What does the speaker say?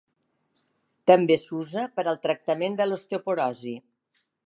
També s'usa per al tractament de l'osteoporosi.